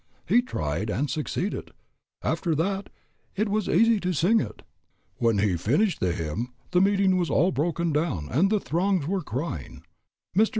He tried and succeeded; after that it was easy to sing it. When he finished the hymn the meeting was all broken down and the throngs were crying.